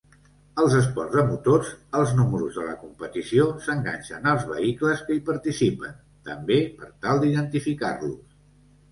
Als esports de motors, els números de la competició s'enganxen als vehicles que hi participen, també per tal d'identificar-los.